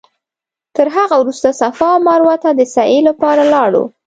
تر هغه وروسته صفا او مروه ته د سعې لپاره لاړو.